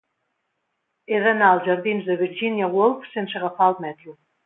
He d'anar als jardins de Virginia Woolf sense agafar el metro.